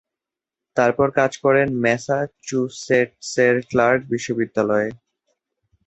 তারপর কাজ করেন ম্যাসাচুসেটসের ক্লার্ক বিশ্ববিদ্যালয়ে।